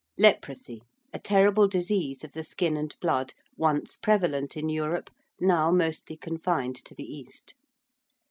~Leprosy~: a terrible disease of the skin and blood, once prevalent in Europe, now mostly confined to the East.